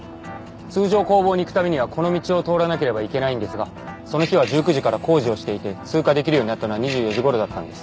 通常工房に行くためにはこの道を通らなければいけないんですがその日は１９時から工事をしていて通過できるようになったのは２４時ごろだったんです。